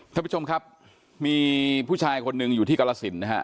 ท่านผู้ชมครับมีผู้ชายคนหนึ่งอยู่ที่กรสินนะฮะ